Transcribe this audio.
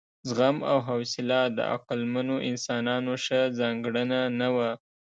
زغم او حوصله د عقلمنو انسانانو ښه ځانګړنه نه وه.